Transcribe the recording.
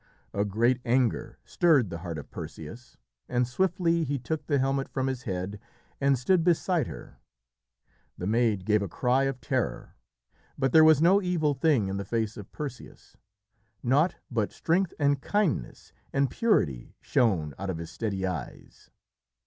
A great anger stirred the heart of Perseus, and swiftly he took the helmet from his head and stood beside her. The maid gave a cry of terror, but there was no evil thing in the face of Perseus. Naught but strength and kindness and purity shone out of his steady eyes.